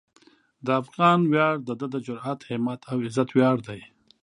د افغان ویاړ د ده د جرئت، همت او عزت ویاړ دی.